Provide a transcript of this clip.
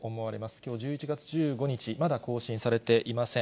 きょう１１月１５日、まだ更新されていません。